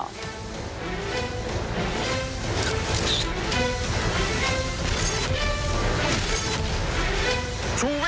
ชูวิตตีแสดงหน้า